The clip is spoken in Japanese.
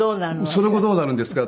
その後どうなるんですか？